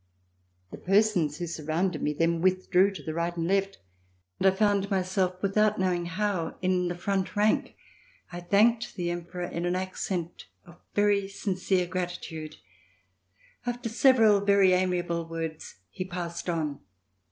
The persons who surrounded me then withdrew to the right and left, and I found myself, without knowing how, in the front rank. I thanked the Emperor in an accent of very sincere gratitude. After several very amiable words, he passed on.